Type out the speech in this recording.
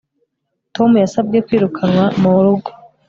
Tom yasabye kwirukanwa murugo